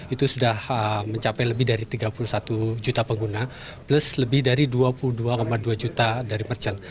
itu sudah mencapai lebih dari tiga puluh satu juta pengguna plus lebih dari dua puluh dua dua juta dari merchant